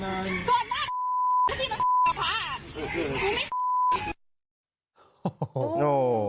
หนูเป็น